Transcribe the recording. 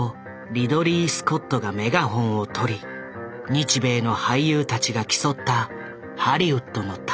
リドリー・スコットがメガホンを取り日米の俳優たちが競ったハリウッドの大作。